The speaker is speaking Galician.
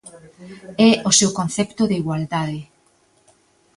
É o seu concepto de igualdade.